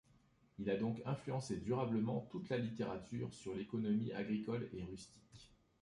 Il a donc influencé durablement toute la littérature sur l'économie agricole et rustique.